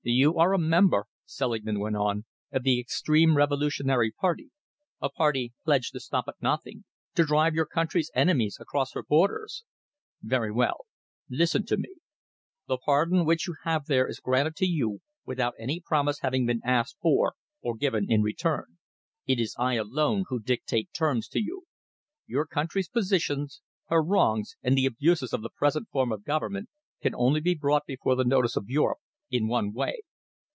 "You are a member," Selingman went on, "of the extreme revolutionary party, a party pledged to stop at nothing, to drive your country's enemies across her borders. Very well, listen to me. The pardon which you have there is granted to you without any promise having been asked for or given in return. It is I alone who dictate terms to you. Your country's position, her wrongs, and the abuses of the present form of government, can only be brought before the notice of Europe in one way.